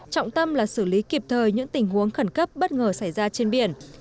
trọng tâm là xử lý kịp thời những tình huống khẩn cấp bất ngờ xảy ra trên biển